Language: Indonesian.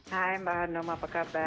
hai mbak hanum apa kabar